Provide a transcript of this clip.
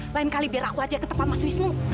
lain kali biar aku aja ke tempat mas wisnu